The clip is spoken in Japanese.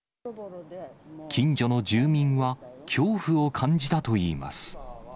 近所の住民は、恐怖を感じたといいます。